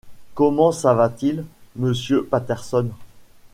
Comment ça va-t-il, monsieur Patterson?...